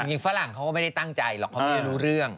ฝรั่งเขาก็ไม่ได้ตั้งใจหรอกเขาไม่ได้รู้เรื่อง